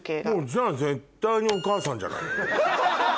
じゃあ絶対にお母さんじゃないのよ。